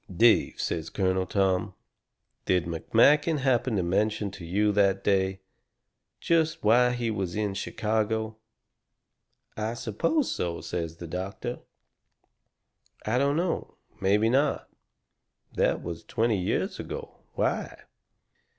"Dave," says Colonel Tom, "did McMakin happen to mention to you, that day, just why he was in Chicago?" "I suppose so," says the doctor. "I don't know. Maybe not. That was twenty years ago. Why?"